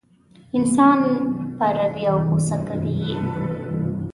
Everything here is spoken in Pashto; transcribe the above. انسان پاروي او غوسه کوي یې.